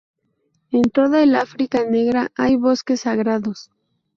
En toda el África negra hay bosques sagrados.